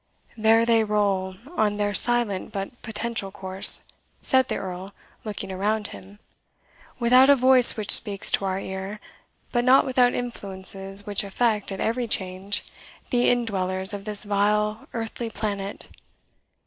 "There they roll, on their silent but potential course," said the Earl, looking around him, "without a voice which speaks to our ear, but not without influences which affect, at every change, the indwellers of this vile, earthly planet.